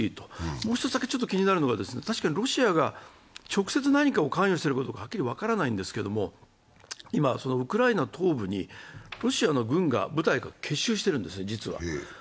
もう一つだけ気になるのが、確かにロシアが直接、何かに関与しているかはっきり分からないんですけれども、今、ウクライナ東部にロシアの軍が部隊が結集しているんですね。